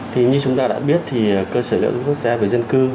thì như chúng ta đã biết thì cơ sở dữ liệu quốc gia về dân cư